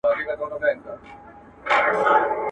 طلسم هم مات کړ